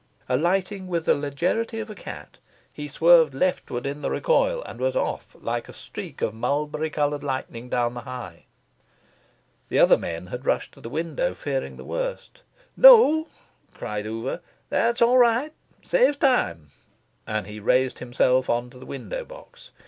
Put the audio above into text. Alighting with the legerity of a cat, he swerved leftward in the recoil, and was off, like a streak of mulberry coloured lightning, down the High. The other men had rushed to the window, fearing the worst. "No," cried Oover. "That's all right. Saves time!" and he raised himself on to the window box.